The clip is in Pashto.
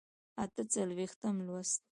اته څلوېښتم لوست